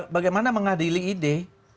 bagaimana mengadili ide